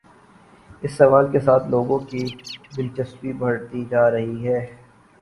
اس سوال کے ساتھ لوگوں کی دلچسپی بڑھتی جا رہی ہے۔